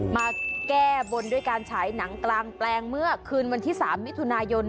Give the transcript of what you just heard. มาแก้บนด้วยการฉายหนังกลางแปลงเมื่อคืนวันที่๓มิถุนายน